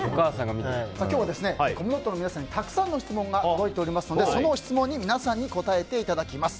今日はコムドットの皆さんにたくさんの質問が届いていますのでその質問に皆さんに答えていただきます。